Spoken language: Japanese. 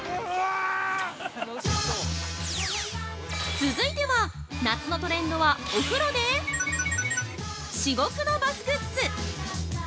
◆続いては夏のトレンドはお風呂で○○至極のバスグッズ。